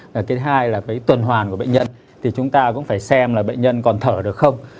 cái hai là tuần hoàn của bệnh nhân thì chúng ta cũng phải xem bệnh nhân còn thở được không